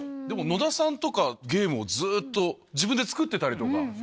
でも野田さんとかゲームをずっと自分で作ってたりとか。